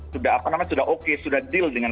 sudah apa namanya sudah oke sudah deal dengan